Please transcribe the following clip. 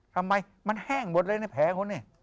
ทำไมมันแห้งหมดเลยแผ่เขา